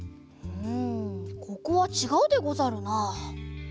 うんここはちがうでござるな。